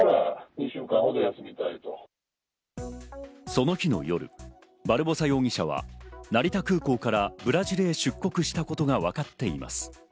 その日の夜、バルボサ容疑者は成田空港からブラジルへ出国したことがわかっています。